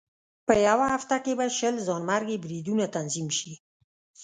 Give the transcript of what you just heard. په یوه هفته کې به شل ځانمرګي بریدونه تنظیم شي.